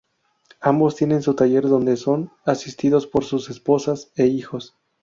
Ambos tienen su taller donde son asistidos por sus esposas e hijos.